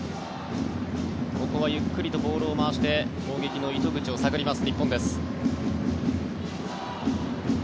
ここはゆっくりとボールを回して攻撃の糸口を探ります日本です。